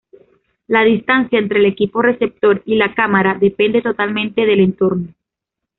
La distancia entre el equipo receptor y la cámara depende totalmente del entorno.